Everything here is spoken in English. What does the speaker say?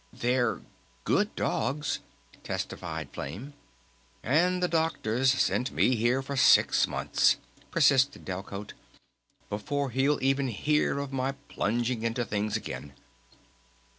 "They're ... good dogs," testified Flame. "And the Doctor's sent me here for six months," persisted Delcote, "before he'll even hear of my plunging into things again!"